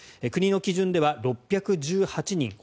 国の基準では６１８人